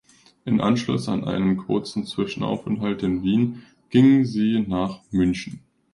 In Anschluss an einen kurzen Zwischenaufenthalt in Wien ging sie nach München.